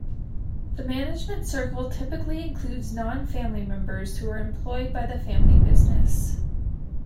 The Management circle typically includes non-family members who are employed by the family business.